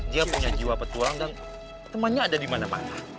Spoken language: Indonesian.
dia punya jiwa petualang dan temannya ada di mana mana